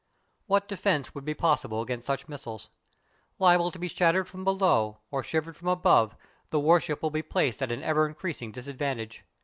What defence would be possible against such missiles? Liable to be shattered from below, or shivered from above, the warship will be placed at an ever increasing disadvantage.